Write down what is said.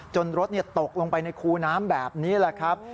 รถตกลงไปในคูน้ำแบบนี้แหละครับ